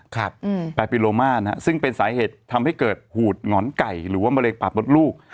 แปลปิโลมานะฮะซึ่งเป็นสาเหตุทำให้เกิดหูดหงอนไก่หรือว่ามะเร็งปากมดลูก